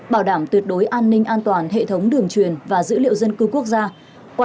bảo đảm tuyệt đối an ninh an toàn hệ thống đường truyền và dữ liệu dân cư quốc gia